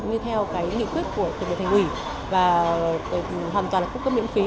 như theo nghị quyết của thành ủy và hoàn toàn cung cấp miễn phí